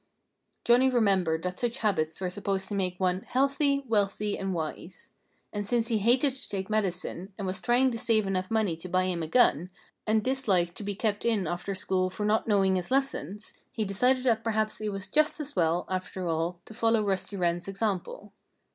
Johnnie remembered that such habits were supposed to make one "healthy, wealthy and wise." And since he hated to take medicine, and was trying to save enough money to buy him a gun, and disliked to be kept in after school for not knowing his lessons, he decided that perhaps it was just as well, after all, to follow Rusty Wren's example.